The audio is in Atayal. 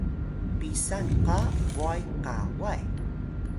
pisan qa bway kaway